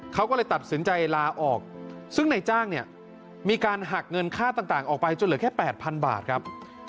เขาก็เลยตัดสินใจลาออกซึ่งในจ้างเนี่ยมีการหักเงินค่าต่างออกไปจนเหลือแค่๘๐๐๐บาทครับ